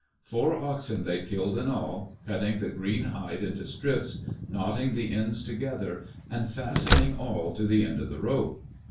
Four oxen they killed in all, cutting the green hide into strips, knotting the ends together, and fastening all to the end of the rope.